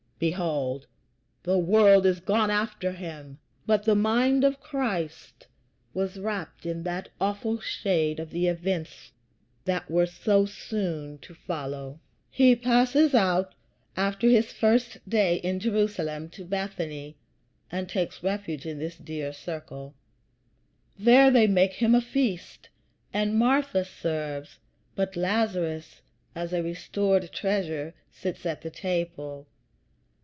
Behold the world is gone after him!" But the mind of Jesus was wrapped in that awful shade of the events that were so soon to follow. He passes out, after his first day in Jerusalem, to Bethany, and takes refuge in this dear circle. There they make him a feast, and Martha serves, but Lazarus, as a restored treasure, sits at the table.